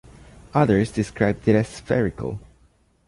Others described it as spherical.